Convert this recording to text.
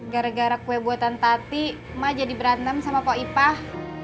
gara gara kue buatan tati mah jadi berantem sama kok ipah